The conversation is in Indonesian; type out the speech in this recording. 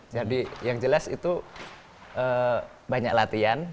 yang jelas itu banyak latihan